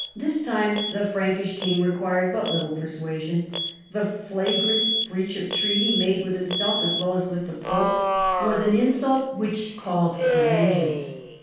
This time the Frankish king required but little ]iersuasion. The flagrant breach of the treaty made with himself, as well as with the pope, was an insult which called for vengeance.